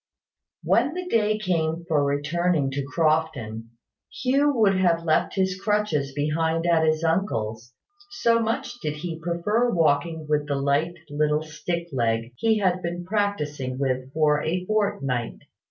When the day came for returning to Crofton, Hugh would have left his crutches behind at his uncle's, so much did he prefer walking with the little light stick leg he had been practising with for a fortnight.